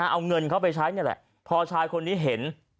เอาเงินเข้าไปใช้นี่แหละพอชายคนนี้เห็น